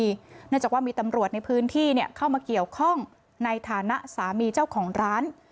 เนื่องจากว่ามีตำรวจในพื้นที่เข้ามาเกี่ยวข้องในฐานะสามีเจ้าของร้าน